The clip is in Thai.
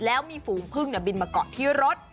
แล้วมีฝูงพึ่งบินมาเกาะที่รถ